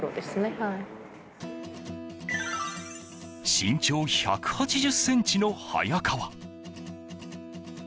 身長１８０ｃｍの早川。